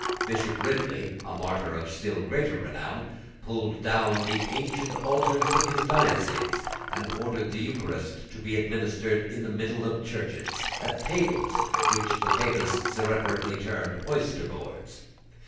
Bishop Ridley, a martyr of still greater renown, pulled down the ancient altars of his diocese, and ordered the Eucharist to be administered in the middle of churches, at tables which the Papists irreverently termed oyster boards.